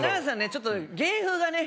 ちょっと芸風がね